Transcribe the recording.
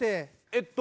えっと。